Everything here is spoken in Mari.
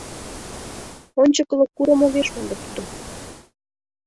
Ончыкылык курым огеш мондо тудым.